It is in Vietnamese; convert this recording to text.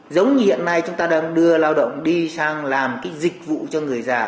giống như hiện nay chúng ta đang đưa lao động đi sang làm cái dịch vụ cho người già